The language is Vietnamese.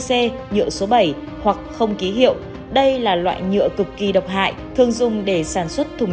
c nhựa số bảy hoặc không ký hiệu đây là loại nhựa cực kỳ độc hại thường dùng để sản xuất thùng